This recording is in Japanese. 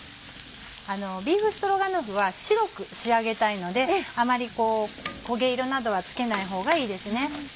ビーフストロガノフは白く仕上げたいのであまり焦げ色などはつけないほうがいいですね。